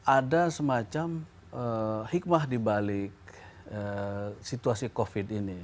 ada semacam hikmah dibalik situasi covid ini